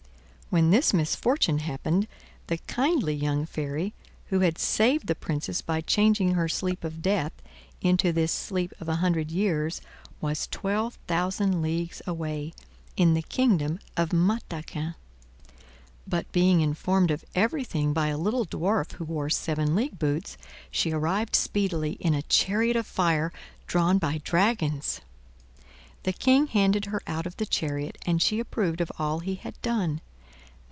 When this misfortune happened, the kindly young fairy who had saved the Princess by changing her sleep of death into this sleep of a hundred years, was twelve thousand leagues away, in the kingdom of Mataquin. But, being informed of everything by a little dwarf who wore seven league boots, she arrived speedily in a chariot of fire drawn by dragons. The King handed her out of the chariot, and she approved of all he had done.